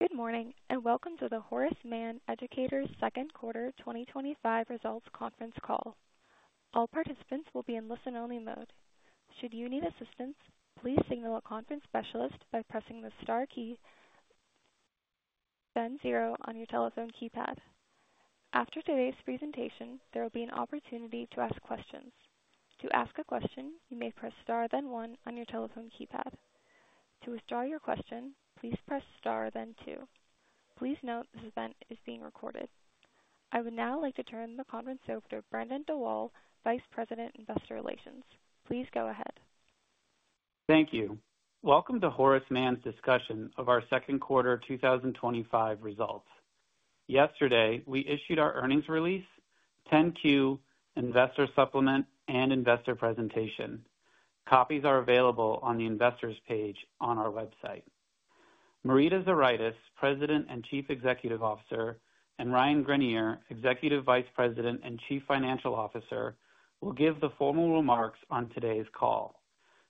Good morning and welcome to the Horace Mann Educators Second Quarter 2025 Results Conference Call. All participants will be in listen-only mode. Should you need assistance, please signal a conference specialist by pressing the star key, then zero on your telephone keypad. After today's presentation, there will be an opportunity to ask questions. To ask a question, you may press star, then one on your telephone keypad. To withdraw your question, please press star, then two. Please note this event is being recorded. I would now like to turn the conference over to Brendan Dawal, Vice President, Investor Relations. Please go ahead. Thank you. Welcome to Horace Mann's discussion of our second quarter 2025 results. Yesterday, we issued our earnings release, 10-Q, Investor Supplement, and Investor Presentation. Copies are available on the Investors page on our website. Marita Zuraitis, President and Chief Executive Officer, and Ryan Greenier, Executive Vice President and Chief Financial Officer, will give the formal remarks on today's call.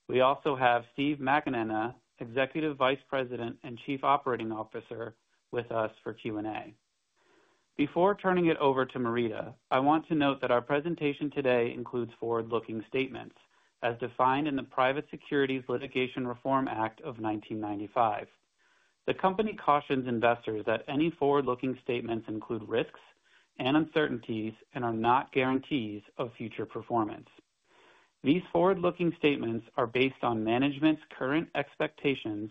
We also have Stephen McAnena, Executive Vice President and Chief Operating Officer, with us for Q&A. Before turning it over to Marita, I want to note that our presentation today includes forward-looking statements, as defined in the Private Securities Litigation Reform Act of 1995. The company cautions investors that any forward-looking statements include risks and uncertainties and are not guarantees of future performance. These forward-looking statements are based on management's current expectations,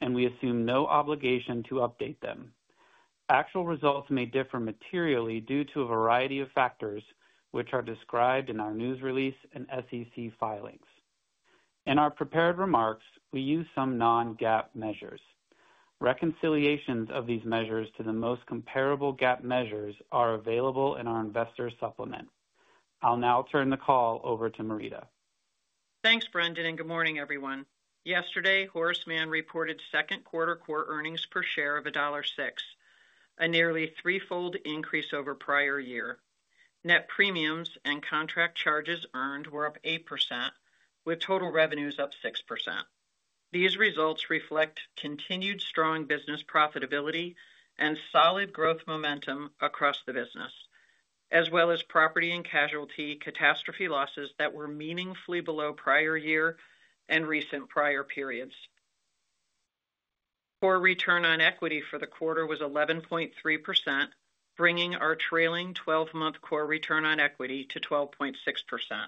and we assume no obligation to update them. Actual results may differ materially due to a variety of factors, which are described in our news release and SEC filings. In our prepared remarks, we use some non-GAAP measures. Reconciliations of these measures to the most comparable GAAP measures are available in our Investor Supplement. I'll now turn the call over to Marita. Thanks, Brendan, and good morning, everyone. Yesterday, Horace Mann reported second quarter core earnings per share of $1.06, a nearly 3x increase over prior year. Net premiums and contract charges earned were up 8%, with total revenues up 6%. These results reflect continued strong business profitability and solid growth momentum across the business, as well as property and casualty catastrophe losses that were meaningfully below prior year and recent prior periods. Core return on equity for the quarter was 11.3%, bringing our trailing 12-month core return on equity to 12.6%.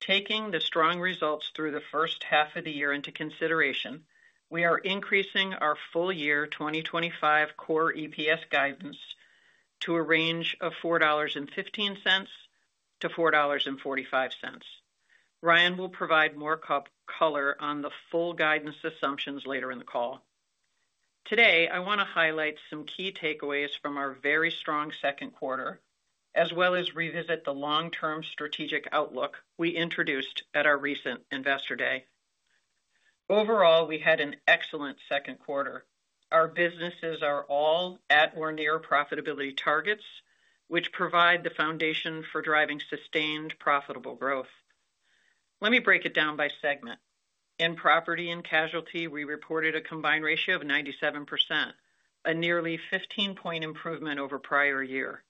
Taking the strong results through the first half of the year into consideration, we are increasing our full-year 2025 core EPS guidance to a range of $4.15-$4.45. Ryan will provide more color on the full guidance assumptions later in the call. Today, I want to highlight some key takeaways from our very strong second quarter, as well as revisit the long-term strategic outlook we introduced at our recent Investor Day. Overall, we had an excellent second quarter. Our businesses are all at or near profitability targets, which provide the foundation for driving sustained profitable growth. Let me break it down by segment. In property and casualty, we reported a combined ratio of 97%, a nearly 15-point improvement over prior year.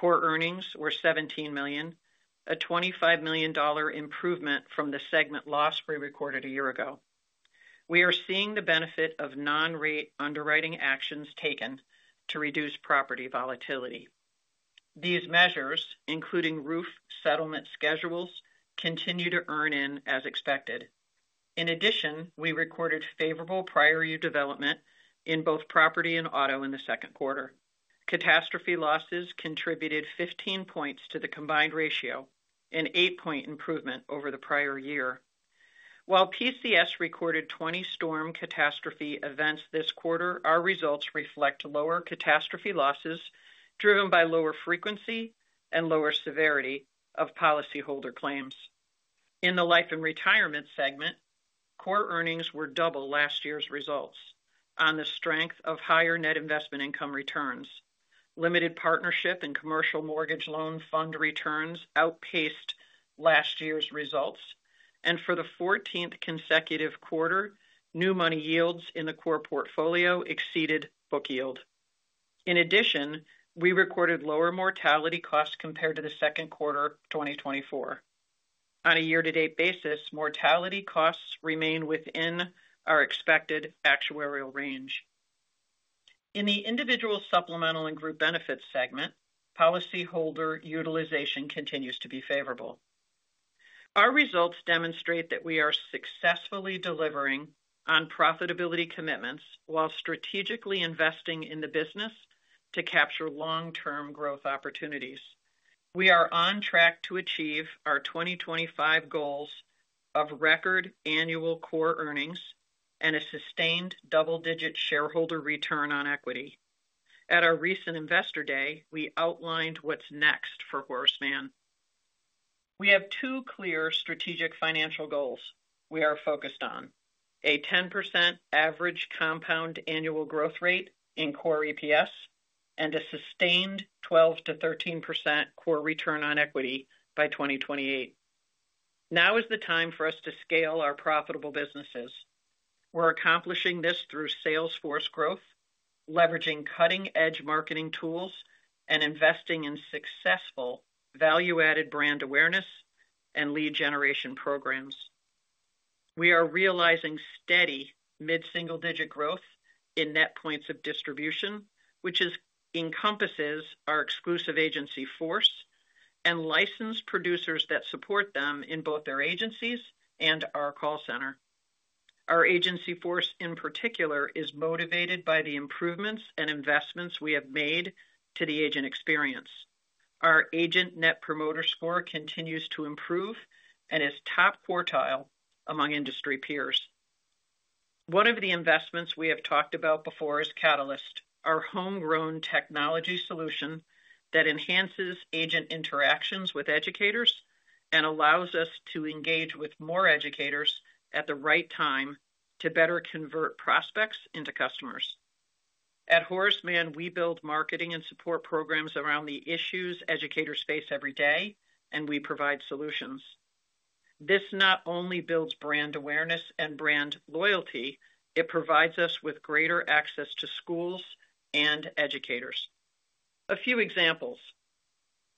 Core earnings were $17 million, a $25 million improvement from the segment loss we recorded a year ago. We are seeing the benefit of non-rate underwriting actions taken to reduce property volatility. These measures, including roof settlement schedules, continue to earn in as expected. In addition, we recorded favorable prior-year development in both property and auto in the second quarter. Catastrophe losses contributed 15 points to the combined ratio, an 8-point improvement over the prior year. While PCS recorded 20 storm catastrophe events this quarter, our results reflect lower catastrophe losses driven by lower frequency and lower severity of policyholder claims. In the life and retirement segment, core earnings were double last year's results on the strength of higher net investment income returns. Limited partnership and commercial mortgage loan fund returns outpaced last year's results, and for the 14th consecutive quarter, new money yields in the core portfolio exceeded book yield. In addition, we recorded lower mortality costs compared to the second quarter 2024. On a year-to-date basis, mortality costs remain within our expected actuarial range. In the individual supplemental and group benefits segment, policyholder utilization continues to be favorable. Our results demonstrate that we are successfully delivering on profitability commitments while strategically investing in the business to capture long-term growth opportunities. We are on track to achieve our 2025 goals of record annual core earnings and a sustained double-digit shareholder return on equity. At our recent Investor Day, we outlined what's next for Horace Mann. We have two clear strategic financial goals we are focused on: a 10% average compound annual growth rate in core EPS and a sustained 12%-13% core return on equity by 2028. Now is the time for us to scale our profitable businesses. We're accomplishing this through salesforce growth, leveraging cutting-edge marketing tools, and investing in successful value-added brand awareness and lead generation programs. We are realizing steady mid-single-digit growth in net points of distribution, which encompasses our exclusive agency force and licensed producers that support them in both their agencies and our call center. Our agency force in particular is motivated by the improvements and investments we have made to the agent experience. Our agent net promoter score continues to improve and is top quartile among industry peers. One of the investments we have talked about before is Catalyst, our homegrown technology solution that enhances agent interactions with educators and allows us to engage with more educators at the right time to better convert prospects into customers. At Horace Mann, we build marketing and support programs around the issues educators face every day, and we provide solutions. This not only builds brand awareness and brand loyalty, it provides us with greater access to schools and educators. A few examples: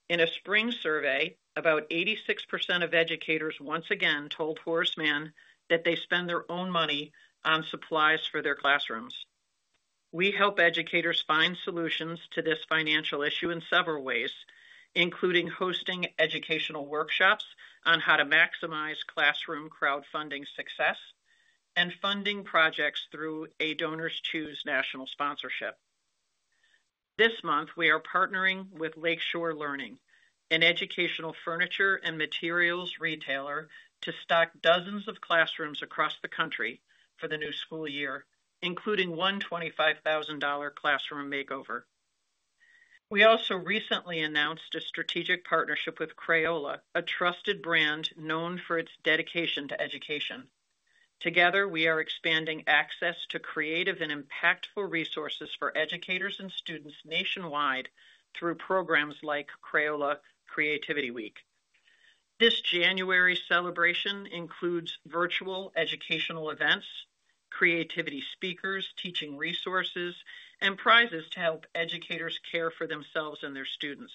in a spring survey, about 86% of educators once again told Horace Mann that they spend their own money on supplies for their classrooms. We help educators find solutions to this financial issue in several ways, including hosting educational workshops on how to maximize classroom crowdfunding success and funding projects through a DonorsChoose national sponsorship. This month, we are partnering with Lakeshore Learning, an educational furniture and materials retailer, to stock dozens of classrooms across the country for the new school year, including a $125,000 classroom makeover. We also recently announced a strategic partnership with Crayola, a trusted brand known for its dedication to education. Together, we are expanding access to creative and impactful resources for educators and students nationwide through programs like Crayola Creativity Week. This January celebration includes virtual educational events, creativity speakers, teaching resources, and prizes to help educators care for themselves and their students.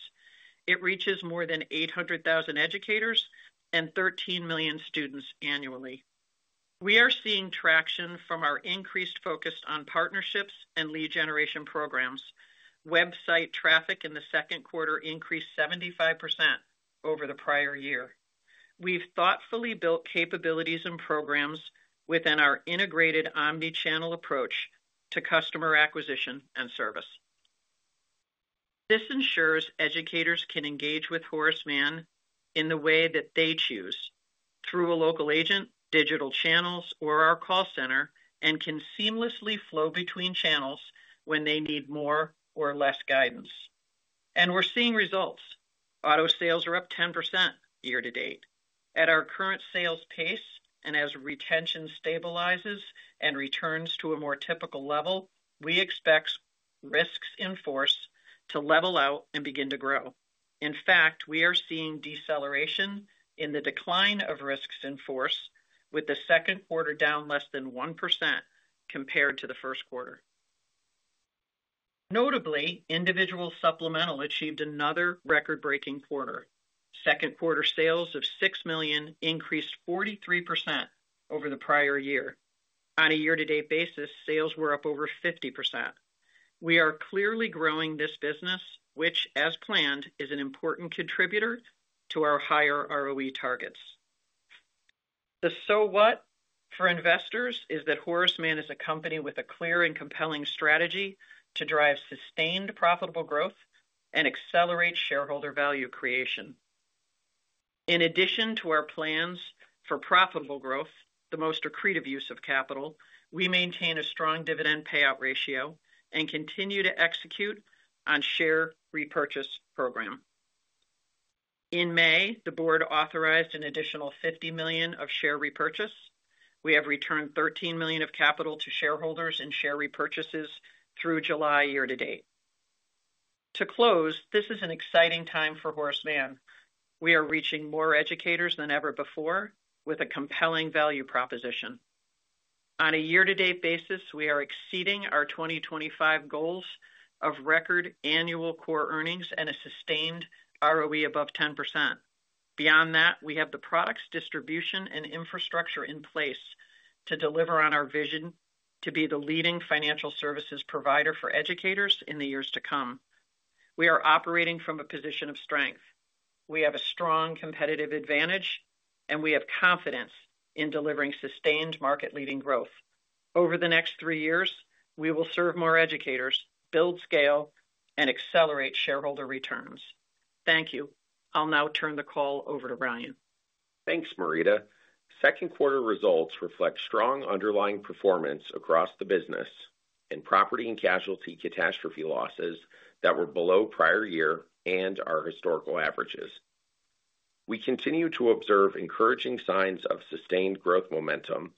It reaches more than 800,000 educators and 13 million students annually. We are seeing traction from our increased focus on partnerships and lead generation programs. Website traffic in the second quarter increased 75% over the prior year. We've thoughtfully built capabilities and programs within our integrated omnichannel approach to customer acquisition and service. This ensures educators can engage with Horace Mann in the way that they choose, through a local agent, digital channels, or our call center, and can seamlessly flow between channels when they need more or less guidance. We're seeing results. Auto sales are up 10% year-to-date. At our current sales pace, and as retention stabilizes and returns to a more typical level, we expect risks in force to level out and begin to grow. In fact, we are seeing deceleration in the decline of risks in force, with the second quarter down less than 1% compared to the first quarter. Notably, individual supplemental achieved another record-breaking quarter. Second quarter sales of $6 million increased 43% over the prior year. On a year-to-date basis, sales were up over 50%. We are clearly growing this business, which, as planned, is an important contributor to our higher ROE targets. The so-what for investors is that Horace Mann is a company with a clear and compelling strategy to drive sustained profitable growth and accelerate shareholder value creation. In addition to our plans for profitable growth, the most accretive use of capital, we maintain a strong dividend payout ratio and continue to execute on the share repurchase program. In May, the board authorized an additional $50 million of share repurchase. We have returned $13 million of capital to shareholders in share repurchases through July year-to-date. To close, this is an exciting time for Horace Mann. We are reaching more educators than ever before with a compelling value proposition. On a year-to-date basis, we are exceeding our 2025 goals of record annual core earnings and a sustained ROE above 10%. Beyond that, we have the products, distribution, and infrastructure in place to deliver on our vision to be the leading financial services provider for educators in the years to come. We are operating from a position of strength. We have a strong competitive advantage, and we have confidence in delivering sustained market-leading growth. Over the next three years, we will serve more educators, build scale, and accelerate shareholder returns. Thank you. I'll now turn the call over to Ryan. Thanks, Marita. Second quarter results reflect strong underlying performance across the business and property and casualty catastrophe losses that were below prior year and our historical averages. We continue to observe encouraging signs of sustained growth momentum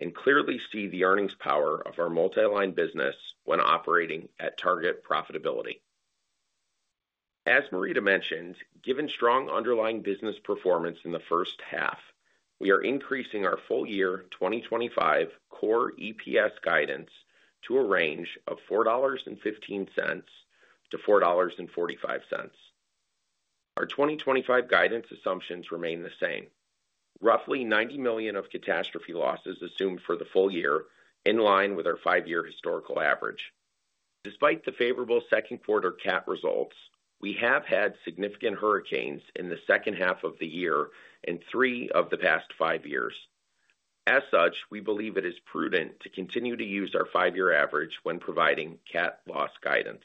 and clearly see the earnings power of our multiline business when operating at target profitability. As Marita mentioned, given strong underlying business performance in the first half, we are increasing our full-year 2025 core EPS guidance to a range of $4.15-$4.45. Our 2025 guidance assumptions remain the same. Roughly $90 million of catastrophe losses assumed for the full year in line with our five-year historical average. Despite the favorable second quarter CAT results, we have had significant hurricanes in the second half of the year in three of the past five years. As such, we believe it is prudent to continue to use our five-year average when providing CAT loss guidance.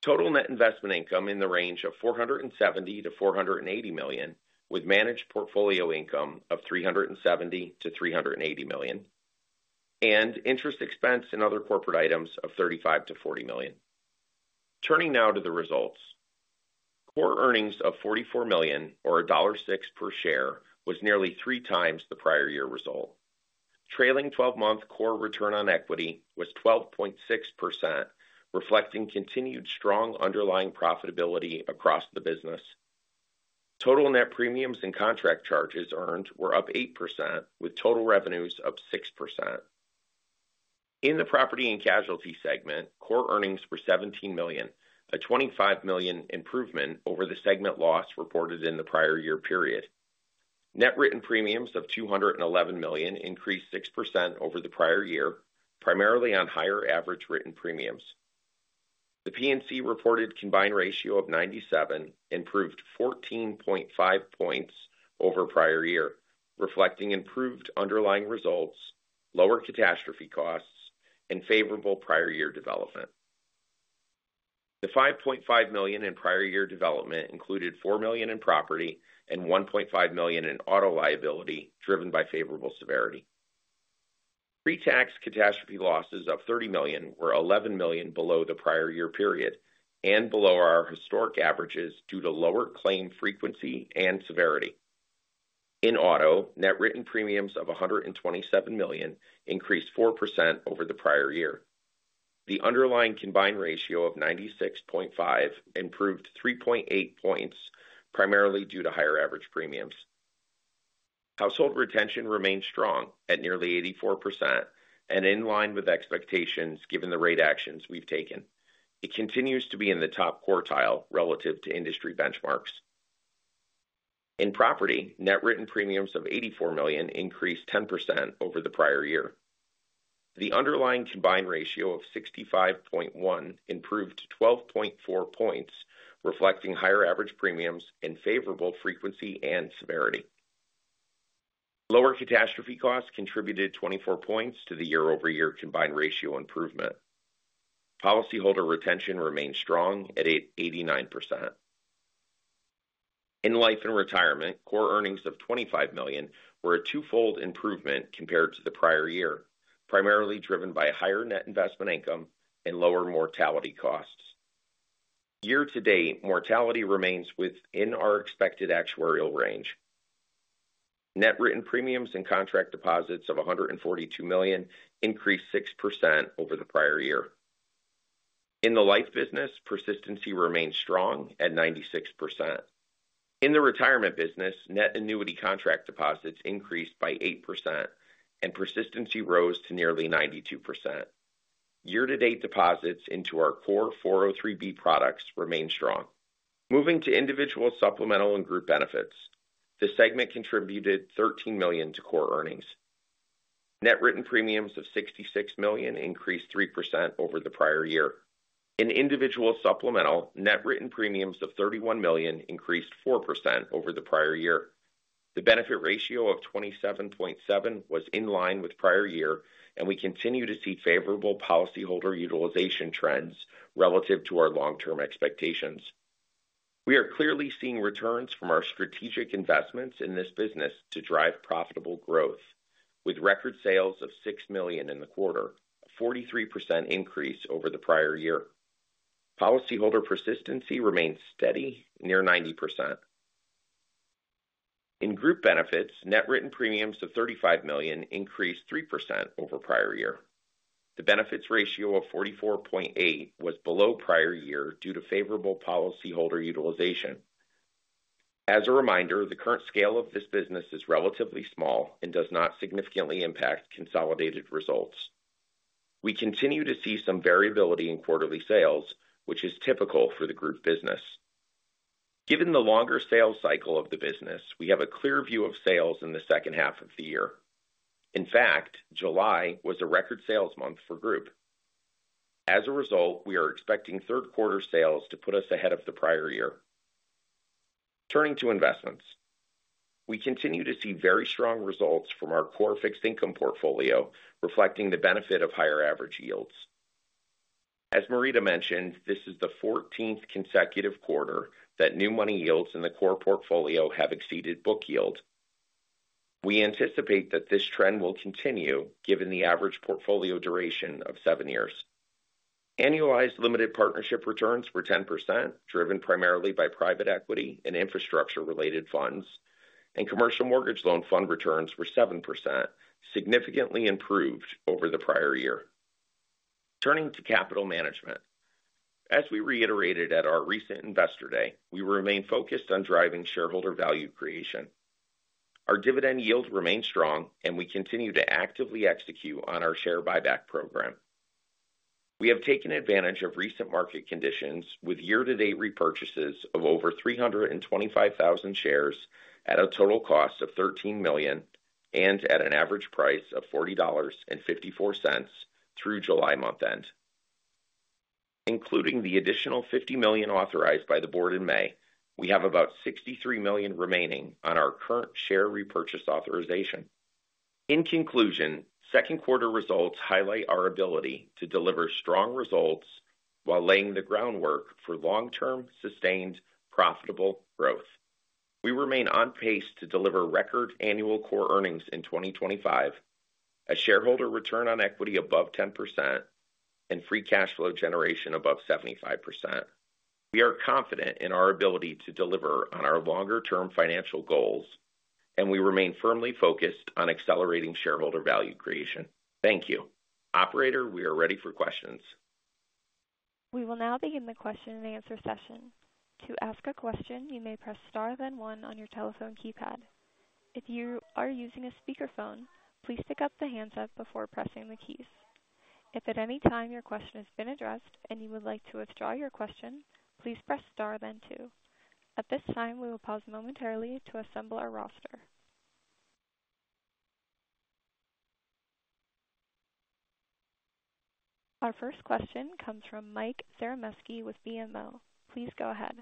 Total net investment income in the range of $470 million-$480 million, with managed portfolio income of $370 million-$380 million, and interest expense in other corporate items of $35 million-$40 million. Turning now to the results. Core earnings of $44 million, or $1.06 per share, was nearly 3x the prior year result. Trailing 12-month core return on equity was 12.6%, reflecting continued strong underlying profitability across the business. Total net premiums and contract charges earned were up 8%, with total revenues up 6%. In the property and casualty segment, core earnings were $17 million, a $25 million improvement over the segment loss reported in the prior year period. Net written premiums of $211 million increased 6% over the prior year, primarily on higher average written premiums. The P&C reported combined ratio of 97, improved 14.5 points over prior year, reflecting improved underlying results, lower catastrophe costs, and favorable prior year development. The $5.5 million in prior year development included $4 million in property and $1.5 million in auto liability driven by favorable severity. Pre-tax catastrophe losses of $30 million were $11 million below the prior year period and below our historic averages due to lower claim frequency and severity. In auto, net written premiums of $127 million increased 4% over the prior year. The underlying combined ratio of 96.5 improved 3.8 points, primarily due to higher average premiums. Household retention remains strong at nearly 84% and in line with expectations given the rate actions we've taken. It continues to be in the top quartile relative to industry benchmarks. In property, net written premiums of $84 million increased 10% over the prior year. The underlying combined ratio of 65.1 improved 12.4 points, reflecting higher average premiums and favorable frequency and severity. Lower catastrophe costs contributed 24 points to the year-over-year combined ratio improvement. Policyholder retention remains strong at 89%. In life and retirement, core earnings of $25 million were a 2x improvement compared to the prior year, primarily driven by higher net investment income and lower mortality costs. Year-to-date, mortality remains within our expected actuarial range. Net written premiums and contract deposits of $142 million increased 6% over the prior year. In the life business, persistency remains strong at 96%. In the retirement business, net annuity contract deposits increased by 8%, and persistency rose to nearly 92%. Year-to-date deposits into our core 403(b) products remain strong. Moving to individual supplemental and group benefits, the segment contributed $13 million to core earnings. Net written premiums of $66 million increased 3% over the prior year. In individual supplemental, net written premiums of $31 million increased 4% over the prior year. The benefit ratio of 27.7 was in line with prior year, and we continue to see favorable policyholder utilization trends relative to our long-term expectations. We are clearly seeing returns from our strategic investments in this business to drive profitable growth, with record sales of $6 million in the quarter, a 43% increase over the prior year. Policyholder persistency remains steady, near 90%. In group benefits, net written premiums of $35 million increased 3% over prior year. The benefits ratio of 44.8 was below prior year due to favorable policyholder utilization. As a reminder, the current scale of this business is relatively small and does not significantly impact consolidated results. We continue to see some variability in quarterly sales, which is typical for the group business. Given the longer sales cycle of the business, we have a clear view of sales in the second half of the year. In fact, July was a record sales month for group. As a result, we are expecting third quarter sales to put us ahead of the prior year. Turning to investments, we continue to see very strong results from our core fixed income portfolio, reflecting the benefit of higher average yields. As Marita mentioned, this is the 14th consecutive quarter that new money yields in the core portfolio have exceeded book yield. We anticipate that this trend will continue given the average portfolio duration of seven years. Annualized limited partnership returns were 10%, driven primarily by private equity and infrastructure-related funds, and commercial mortgage loan fund returns were 7%, significantly improved over the prior year. Turning to capital management, as we reiterated at our recent Investor Day, we remain focused on driving shareholder value creation. Our dividend yield remains strong, and we continue to actively execute on our share buyback program. We have taken advantage of recent market conditions with year-to-date repurchases of over 325,000 shares at a total cost of $13 million and at an average price of $40.54 through July month end. Including the additional $50 million authorized by the board in May, we have about $63 million remaining on our current share repurchase authorization. In conclusion, second quarter results highlight our ability to deliver strong results while laying the groundwork for long-term sustained profitable growth. We remain on pace to deliver record annual core earnings in 2025, a shareholder return on equity above 10%, and free cash flow generation above 75%. We are confident in our ability to deliver on our longer-term financial goals, and we remain firmly focused on accelerating shareholder value creation. Thank you. Operator, we are ready for questions. We will now begin the question and answer session. To ask a question, you may press star, then one on your telephone keypad. If you are using a speakerphone, please pick up the handset before pressing the keys. If at any time your question has been addressed and you would like to withdraw your question, please press star, then two. At this time, we will pause momentarily to assemble our roster. Our first question comes from Mike Zaremski with BMO. Please go ahead.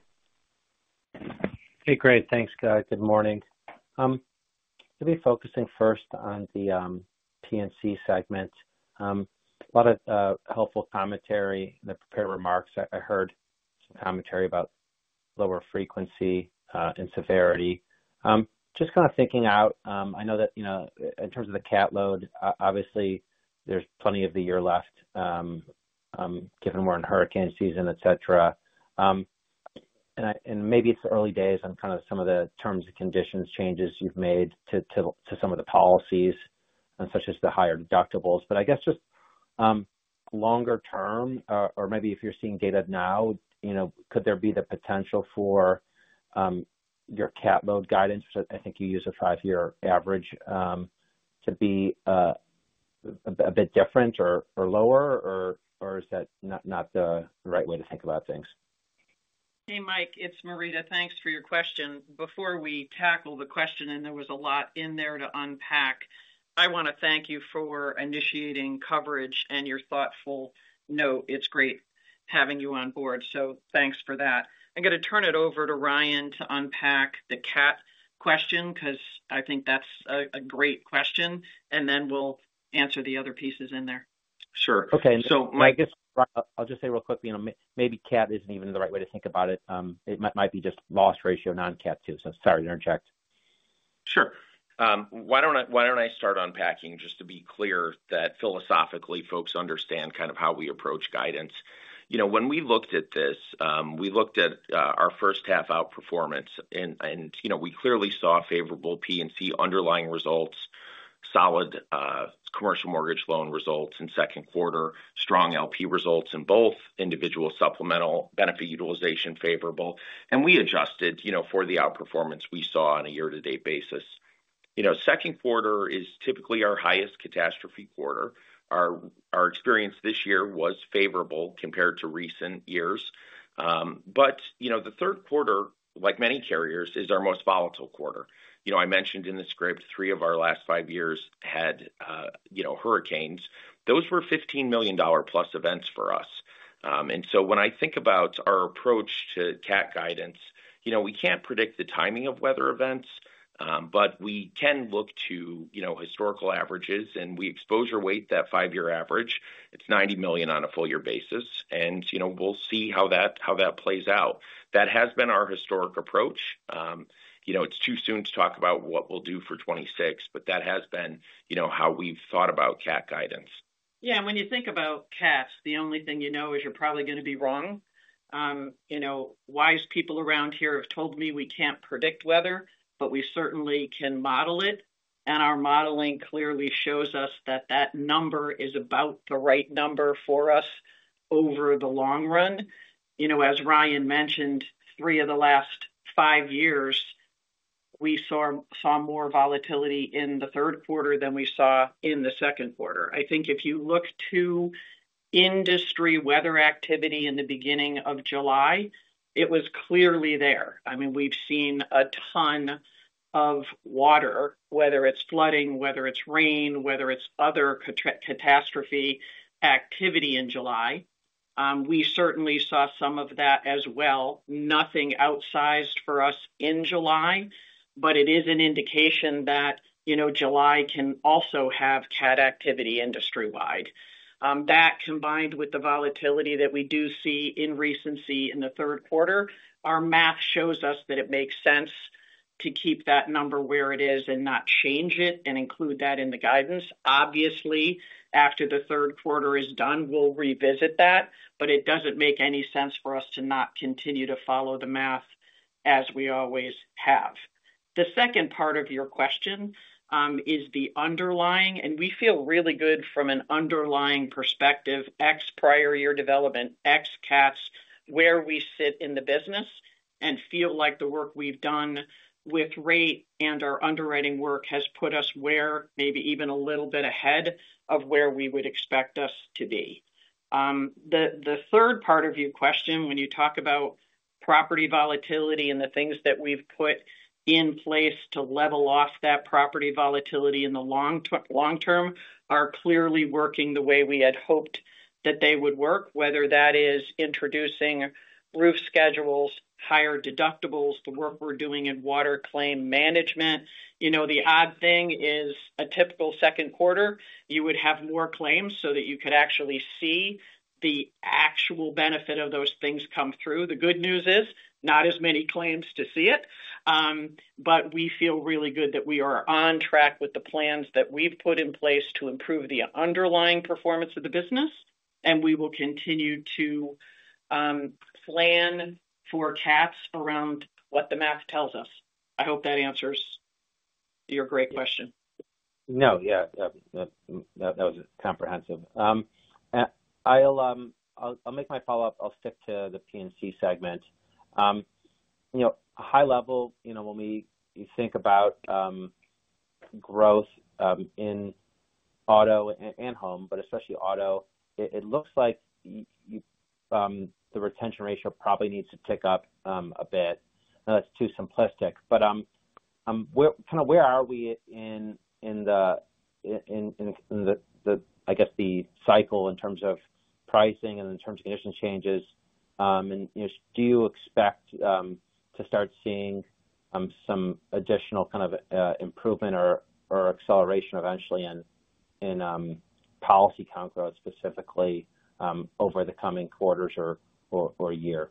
Hey, great. Thanks, good morning. I'm going to be focusing first on the P&C segment. A lot of helpful commentary in the prepared remarks. I heard some commentary about lower frequency and severity. Just kind of thinking out, I know that, you know, in terms of the CAT load, obviously there's plenty of the year left, given we're in hurricane season, etc. Maybe it's the early days on kind of some of the terms and conditions changes you've made to some of the policies, such as the higher deductibles. I guess just longer term, or maybe if you're seeing data now, you know, could there be the potential for your CAT load guidance, which I think you use a five-year average, to be a bit different or lower, or is that not the right way to think about things? Hey, Mike, it's Marita. Thanks for your question. Before we tackle the question, and there was a lot in there to unpack, I want to thank you for initiating coverage and your thoughtful note. It's great having you on board. Thanks for that. I'm going to turn it over to Ryan to unpack the CAT question because I think that's a great question. We'll answer the other pieces in there. Sure. Okay, Mike. I'll just say real quickly, maybe CAT isn't even the right way to think about it. It might be just loss ratio non-CAT too. Sorry to interject. Sure. Why don't I start unpacking just to be clear that philosophically folks understand kind of how we approach guidance. When we looked at this, we looked at our first half outperformance and we clearly saw favorable P&C underlying results, solid commercial mortgage loan results in second quarter, strong limited partnership results in both, individual supplemental benefit utilization favorable. We adjusted for the outperformance we saw on a year-to-date basis. Second quarter is typically our highest catastrophe quarter. Our experience this year was favorable compared to recent years. The third quarter, like many carriers, is our most volatile quarter. I mentioned in the script three of our last five years had hurricanes. Those were $15 million+ events for us. When I think about our approach to catastrophe guidance, we can't predict the timing of weather events, but we can look to historical averages. We expose or weight that five-year average. It's $90 million on a full-year basis. We'll see how that plays out. That has been our historic approach. It's too soon to talk about what we'll do for 2026, but that has been how we've thought about catastrophe guidance. Yeah, and when you think about CAT, the only thing you know is you're probably going to be wrong. Wise people around here have told me we can't predict weather, but we certainly can model it. Our modeling clearly shows us that that number is about the right number for us over the long run. As Ryan mentioned, three of the last five years, we saw more volatility in the third quarter than we saw in the second quarter. I think if you look to industry weather activity in the beginning of July, it was clearly there. We've seen a ton of water, whether it's flooding, whether it's rain, whether it's other catastrophe activity in July. We certainly saw some of that as well. Nothing outsized for us in July, but it is an indication that July can also have CAT activity industry-wide. That, combined with the volatility that we do see in recency in the third quarter, our math shows us that it makes sense to keep that number where it is and not change it and include that in the guidance. Obviously, after the third quarter is done, we'll revisit that, but it doesn't make any sense for us to not continue to follow the math as we always have. The second part of your question is the underlying, and we feel really good from an underlying perspective, ex-prior year development, ex-CATs, where we sit in the business and feel like the work we've done with rate and our underwriting work has put us where maybe even a little bit ahead of where we would expect us to be. The third part of your question, when you talk about property volatility and the things that we've put in place to level off that property volatility in the long term, are clearly working the way we had hoped that they would work, whether that is introducing roof schedules, higher deductibles, the work we're doing in water claim management. The odd thing is a typical second quarter, you would have more claims so that you could actually see the actual benefit of those things come through. The good news is not as many claims to see it. We feel really good that we are on track with the plans that we've put in place to improve the underlying performance of the business. We will continue to plan for CATs around what the math tells us. I hope that answers your great question. No, yeah, that was comprehensive. I'll make my follow-up. I'll stick to the P&C segment. You know, high level, you know, when we think about growth in auto and home, but especially auto, it looks like the retention ratio probably needs to pick up a bit. I know that's too simplistic, but kind of where are we in the, I guess, the cycle in terms of pricing and in terms of condition changes? Do you expect to start seeing some additional kind of improvement or acceleration eventually in policy in force growth specifically over the coming quarters or year?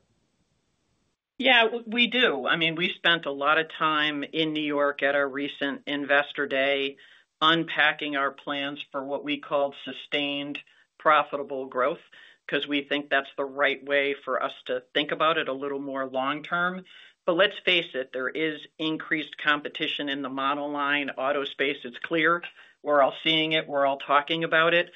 Yeah, we do. I mean, we spent a lot of time in New York at our recent Investor Day unpacking our plans for what we called sustained profitable growth because we think that's the right way for us to think about it a little more long term. There is increased competition in the monoline auto space. It's clear. We're all seeing it. We're all talking about it.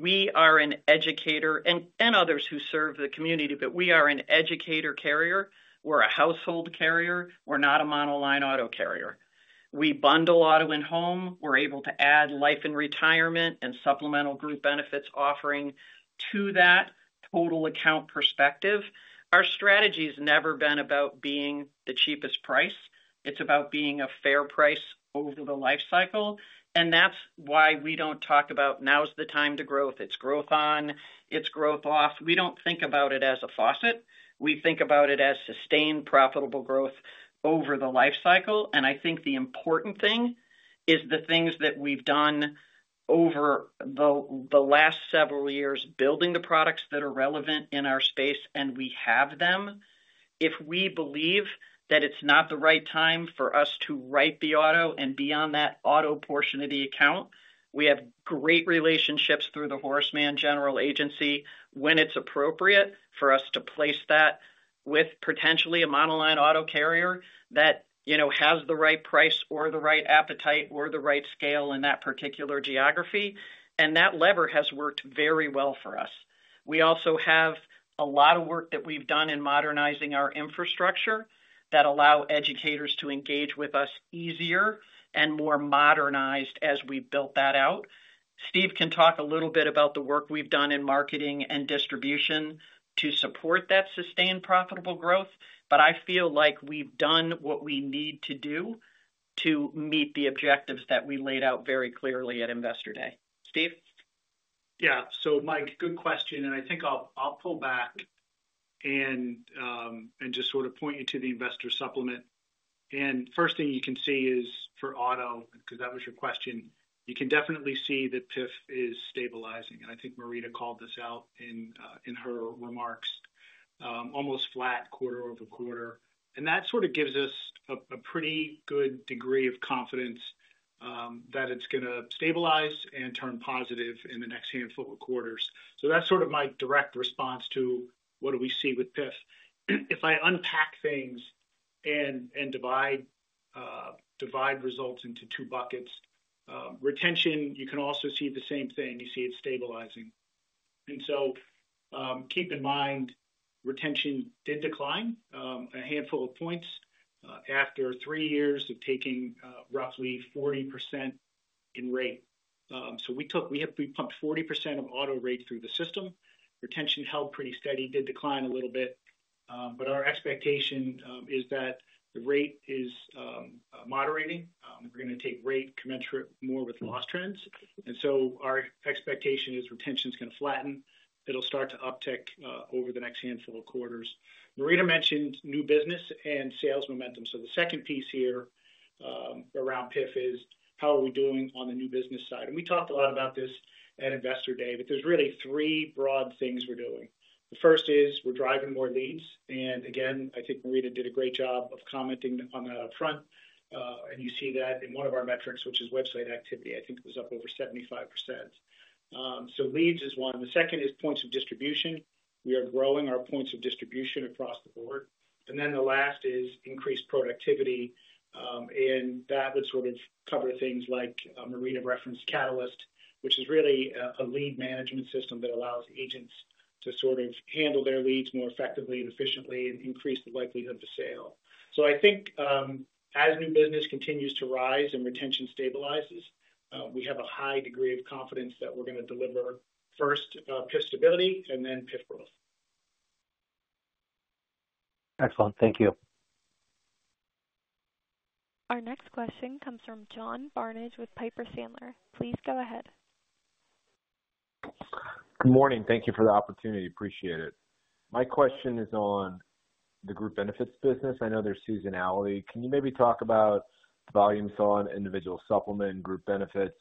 We are an educator and others who serve the community, but we are an educator carrier. We're a household carrier. We're not a monoline auto carrier. We bundle auto and home. We're able to add life and retirement and supplemental group benefits offering to that total account perspective. Our strategy has never been about being the cheapest price. It's about being a fair price over the lifecycle. That's why we don't talk about now's the time to growth. It's growth on, it's growth off. We don't think about it as a faucet. We think about it as sustained profitable growth over the lifecycle. I think the important thing is the things that we've done over the last several years building the products that are relevant in our space, and we have them. If we believe that it's not the right time for us to write the auto and be on that auto portion of the account, we have great relationships through the Horace Mann General Agency when it's appropriate for us to place that with potentially a monoline auto carrier that, you know, has the right price or the right appetite or the right scale in that particular geography. That lever has worked very well for us. We also have a lot of work that we've done in modernizing our infrastructure that allows educators to engage with us easier and more modernized as we've built that out. Steve can talk a little bit about the work we've done in marketing and distribution to support that sustained profitable growth, but I feel like we've done what we need to do to meet the objectives that we laid out very clearly at Investor Day. Steve? Yeah, Mike, good question. I think I'll pull back and just sort of point you to the investor supplement. The first thing you can see is for auto, because that was your question, you can definitely see that PIF is stabilizing. I think Marita called this out in her remarks, almost flat quarter over quarter. That sort of gives us a pretty good degree of confidence that it's going to stabilize and turn positive in the next handful of quarters. That's sort of my direct response to what do we see with PIF. If I unpack things and divide results into two buckets, retention, you can also see the same thing. You see it's stabilizing. Keep in mind, retention did decline a handful of points after three years of taking roughly 40% in rate. We took, we pumped 40% of auto rate through the system. Retention held pretty steady, did decline a little bit. Our expectation is that the rate is moderating. We're going to take rate commensurate more with loss trends. Our expectation is retention is going to flatten. It'll start to uptick over the next handful of quarters. Marita mentioned new business and sales momentum. The second piece here around PIF is how are we doing on the new business side. We talked a lot about this at Investor Day, but there's really three broad things we're doing. The first is we're driving more leads. I think Marita did a great job of commenting on that upfront. You see that in one of our metrics, which is website activity, I think it was up over 75%. Leads is one. The second is points of distribution. We are growing our points of distribution across the board. The last is increased productivity. That would sort of cover things like Marita referenced Catalyst, which is really a lead management system that allows agents to sort of handle their leads more effectively and efficiently and increase the likelihood of the sale. I think as the business continues to rise and retention stabilizes, we have a high degree of confidence that we're going to deliver first PIF stability and then PIF growth. Excellent. Thank you. Our next question comes from John Barnidge with Piper Sandler. Please go ahead. Good morning. Thank you for the opportunity. Appreciate it. My question is on the group benefits business. I know there's seasonality. Can you maybe talk about volumes on individual supplemental group benefits?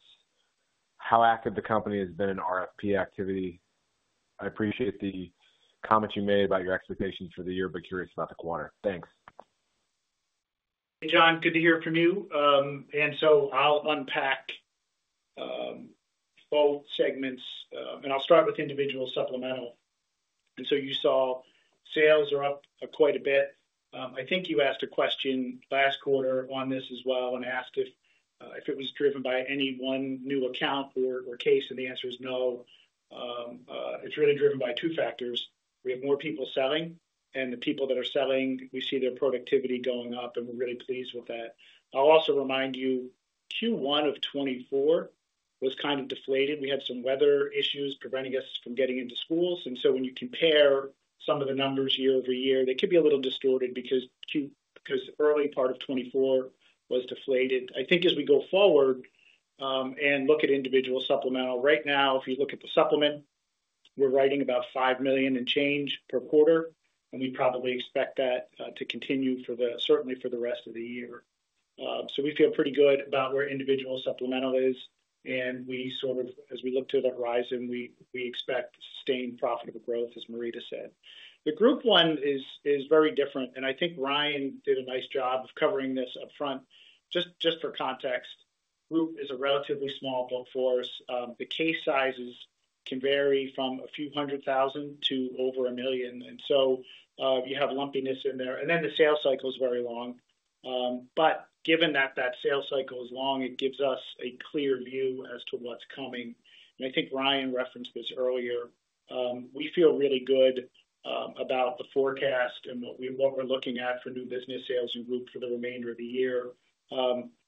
How active the company has been in RFP activity? I appreciate the comments you made about your expectations for the year, but curious about the quarter. Thanks. Hey, John. Good to hear from you. I'll unpack both segments, and I'll start with individual supplemental. You saw sales are up quite a bit. I think you asked a question last quarter on this as well and asked if it was driven by any one new account or case, and the answer is no. It's really driven by two factors. We have more people selling, and the people that are selling, we see their productivity going up, and we're really pleased with that. I'll also remind you, Q1 of 2024 was kind of deflated. We had some weather issues preventing us from getting into schools. When you compare some of the numbers year over year, they could be a little distorted because the early part of 2024 was deflated. I think as we go forward and look at individual supplemental, right now, if you look at the supplement, we're writing about $5 million and change per quarter, and we probably expect that to continue certainly for the rest of the year. We feel pretty good about where individual supplemental is, and as we look to the horizon, we expect sustained profitable growth, as Marita said. The group one is very different, and I think Ryan did a nice job of covering this upfront. Just for context, group is a relatively small book force. The case sizes can vary from a few hundred thousand to over $1 million. You have lumpiness in there, and the sales cycle is very long. Given that the sales cycle is long, it gives us a clear view as to what's coming. I think Ryan referenced this earlier. We feel really good about the forecast and what we're looking at for new business sales and group for the remainder of the year.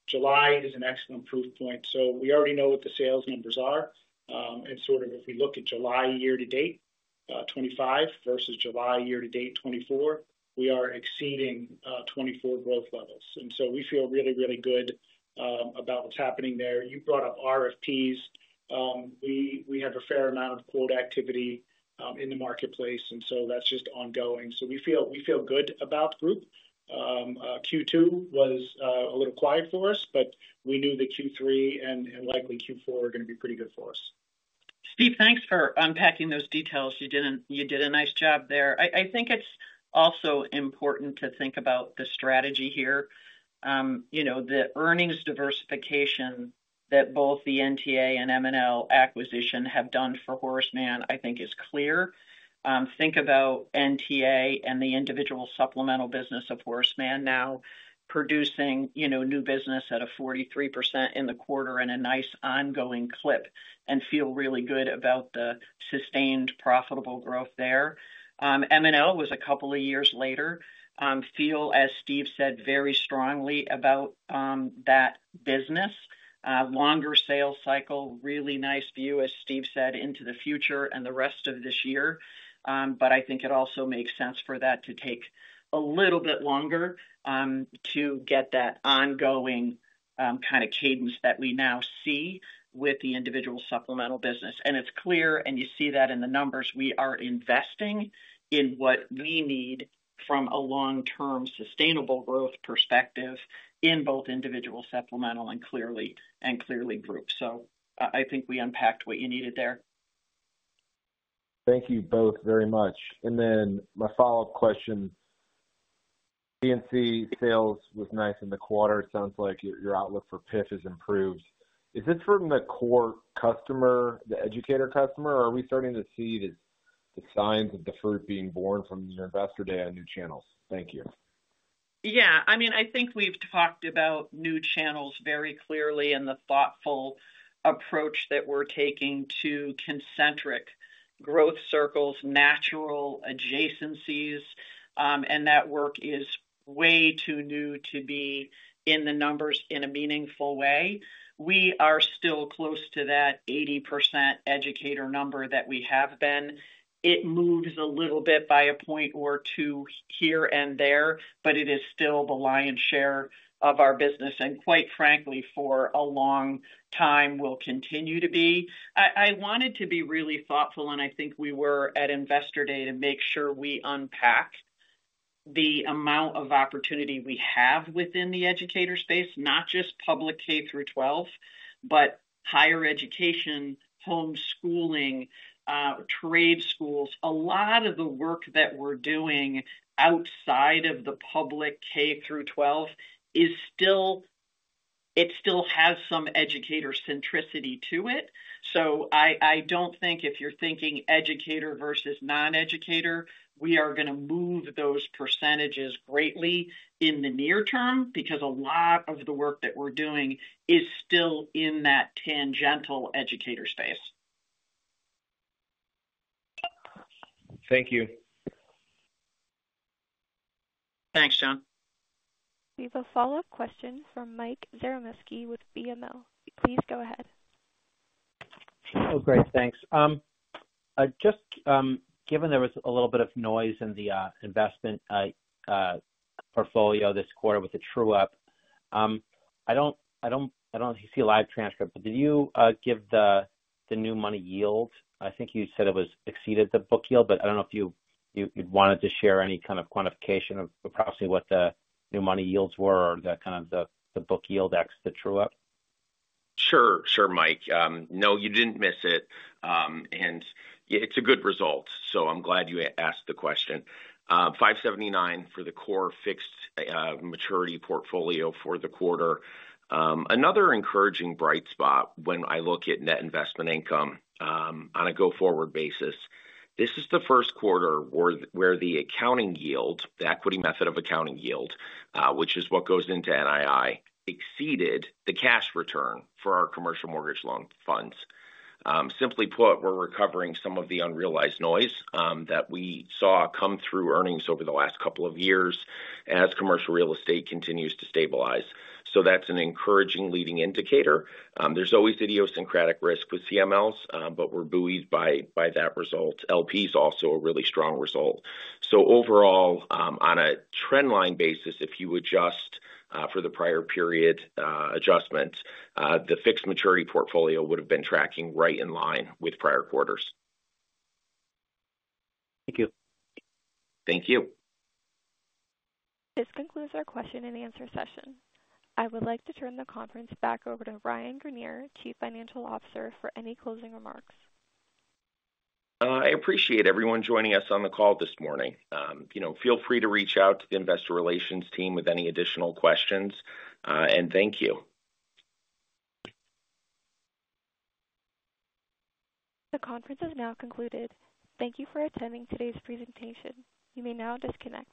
July is an excellent proof point. We already know what the sales numbers are, and if we look at July year-to-date 2025 versus July year-to-date 2024, we are exceeding 2024 growth levels. We feel really, really good about what's happening there. You brought up RFPs. We have a fair amount of quote activity in the marketplace, and that's just ongoing. We feel good about the group. Q2 was a little quiet for us, but we knew that Q3 and likely Q4 are going to be pretty good for us. Steve, thanks for unpacking those details. You did a nice job there. I think it's also important to think about the strategy here. The earnings diversification that both the NTA and M&L acquisition have done for Horace Mann, I think, is clear. Think about NTA and the individual supplemental business of Horace Mann now producing new business at a 43% in the quarter and a nice ongoing clip and feel really good about the sustained profitable growth there. M&L was a couple of years later. Feel, as Steve said, very strongly about that business. Longer sales cycle, really nice view, as Steve said, into the future and the rest of this year. I think it also makes sense for that to take a little bit longer to get that ongoing kind of cadence that we now see with the individual supplemental business. It's clear, and you see that in the numbers, we are investing in what we need from a long-term sustainable growth perspective in both individual supplemental and clearly group. I think we unpacked what you needed there. Thank you both very much. My follow-up question, P&C sales was nice in the quarter. It sounds like your outlook for PIF has improved. Is this from the core customer, the educator customer, or are we starting to see the signs of the fruit being born from your Investor Day on new channels? Thank you. Yeah, I mean, I think we've talked about new channels very clearly and the thoughtful approach that we're taking to concentric growth circles, natural adjacencies, and that work is way too new to be in the numbers in a meaningful way. We are still close to that 80% educator number that we have been. It moves a little bit by a point or two here and there, but it is still the lion's share of our business and, quite frankly, for a long time, will continue to be. I wanted to be really thoughtful, and I think we were at Investor Day to make sure we unpack the amount of opportunity we have within the educator space, not just public K-12, but higher education, homeschooling, trade schools. A lot of the work that we're doing outside of the public K-12 is still, it still has some educator centricity to it. I don't think if you're thinking educator versus non-educator, we are going to move those percentages greatly in the near term because a lot of the work that we're doing is still in that tangential educator space. Thank you. Thanks, John. We have a follow-up question from Mike Zaremski with BMO. Please go ahead. Oh, great. Thanks. Just given there was a little bit of noise in the investment portfolio this quarter with the true up, I don't see a live transcript, but did you give the new money yield? I think you said it exceeded the book yield, but I don't know if you'd wanted to share any kind of quantification of approximately what the new money yields were or the kind of the book yield X to true up? Sure, Mike. No, you didn't miss it. It's a good result, so I'm glad you asked the question, 579 for the core fixed maturity portfolio for the quarter. Another encouraging bright spot when I look at net investment income on a go-forward basis. This is the first quarter where the accounting yield, the equity method of accounting yield, which is what goes into NII, exceeded the cash return for our commercial mortgage loan funds. Simply put, we're recovering some of the unrealized noise that we saw come through earnings over the last couple of years as commercial real estate continues to stabilize. That's an encouraging leading indicator. There's always idiosyncratic risk with CMLs, but we're buoyed by that result. LP is also a really strong result. Overall, on a trendline basis, if you adjust for the prior period adjustments, the fixed maturity portfolio would have been tracking right in line with prior quarters. Thank you. Thank you. This concludes our question and answer session. I would like to turn the conference back over to Ryan Greenier, Chief Financial Officer, for any closing remarks. I appreciate everyone joining us on the call this morning. Feel free to reach out to the Investor Relations team with any additional questions, and thank you. The conference is now concluded. Thank you for attending today's presentation. You may now disconnect.